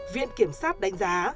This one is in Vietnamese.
viện kiểm sát đánh giá